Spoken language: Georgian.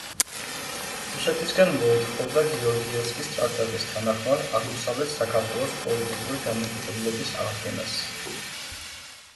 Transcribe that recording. რუსეთისგან მოითხოვდა გეორგიევსკის ტრაქტატის თანახმად აღმოსავლეთ საქართველოს პოლიტიკური დამოუკიდებლობის აღდგენას.